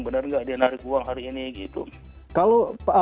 benar nggak dia narik uang hari ini gitu